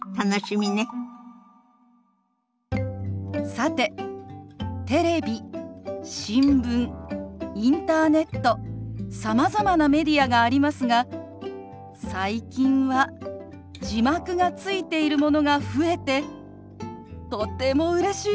さてテレビ新聞インターネットさまざまなメディアがありますが最近は字幕がついているものが増えてとてもうれしいです。